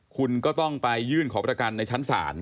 คุณก็ต้องไปยื่นขอประกันในชั้นศาล